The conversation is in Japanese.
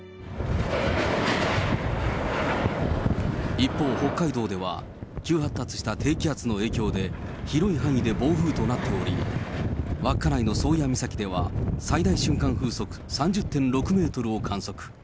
一方、北海道では急発達した低気圧の影響で、広い範囲で暴風となっており、稚内の宗谷岬では最大瞬間風速３０．６メートルを観測。